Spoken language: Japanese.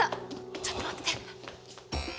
ちょっと待ってて！